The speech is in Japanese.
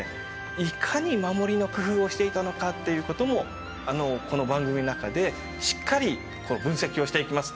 いかに守りの工夫をしていたのかっていうこともこの番組の中でしっかり分析をしていきます。